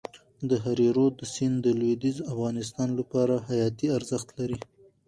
د هریرود سیند د لوېدیځ افغانستان لپاره حیاتي ارزښت لري.